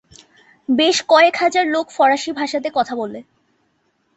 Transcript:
বেশ কয়েক হাজার লোক ফরাসি ভাষাতে কথা বলে।